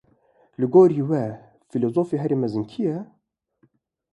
Li gorî we fîlozofê herî mezin kî ye?